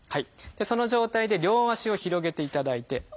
その状態で両足を広げていただいて。